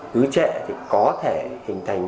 cứ trẻ thì có thể hình thành